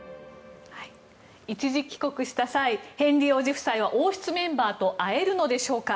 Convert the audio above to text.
一時帰国した際ヘンリー王子夫妻は王室メンバーと会えるのでしょうか。